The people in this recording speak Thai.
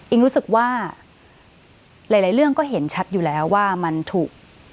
รู้สึกว่าหลายเรื่องก็เห็นชัดอยู่แล้วว่ามันถูก